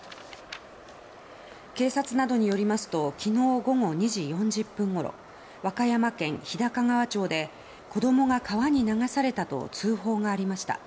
警察などによりますと昨日午後２時４０分ごろ和歌山県日高川町で子供が川に流されたと通報がありました。